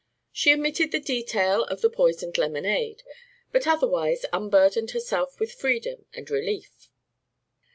She omitted the detail of the poisoned lemonade, but otherwise unburdened herself with freedom and relief.